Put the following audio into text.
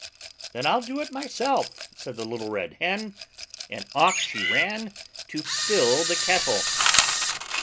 "Then I'll do it myself," said the little Red Hen. And off she ran to fill the kettle.